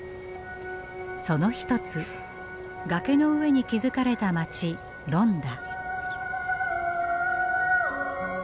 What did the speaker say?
その一つ崖の上に築かれた街ロンダ。